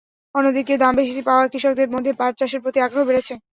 অন্যদিকে দাম বেশি পাওয়ায় কৃষকদের মধ্যে পাট চাষের প্রতি আগ্রহ বেড়েছে।